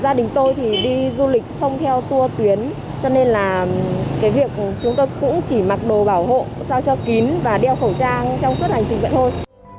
gia đình tôi thì đi du lịch không theo tour tuyến cho nên là cái việc chúng tôi cũng chỉ mặc đồ bảo hộ sao cho kín và đeo khẩu trang trong suốt hành trình vận thôi